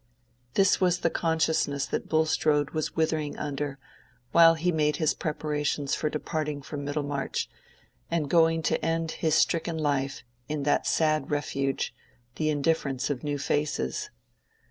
This was the consciousness that Bulstrode was withering under while he made his preparations for departing from Middlemarch, and going to end his stricken life in that sad refuge, the indifference of new faces.